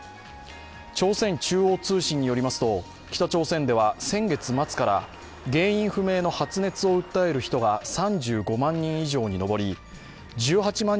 朝鮮中央通信によりますと北朝鮮では先月末から原因不明の発熱を訴える人が３５万人以上に上り１８万